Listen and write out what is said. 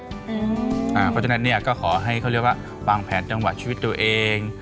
เพราะฉะนั้นเนี่ยก็ขอให้เขาเรียกว่าวางแผนจังหวะชีวิตตัวเอง